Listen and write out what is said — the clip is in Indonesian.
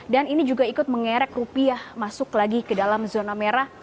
dan ini juga ikut mengerek rupiah masuk lagi ke dalam zona merah